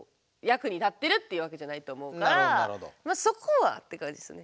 そこはって感じするね。